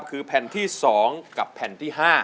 คือแผ่นที่๒กับแผ่นที่๕